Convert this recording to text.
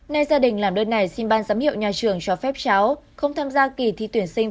nay gia đình làm đơn này xin ban giám hiệu nhà trường cho phép cháu không tham gia kỳ thi tuyển sinh